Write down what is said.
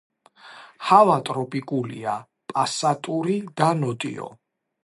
ჰავა ტროპიკულია, პასატური და ნოტიო.